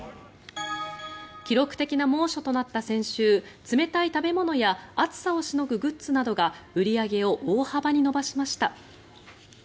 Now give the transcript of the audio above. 記録的な猛暑となった先週冷たい食べ物や暑さをしのぐグッズなどが売り上げを大幅に伸ばしました。